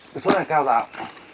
cái số này cao dạo